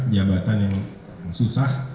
jabatan yang susah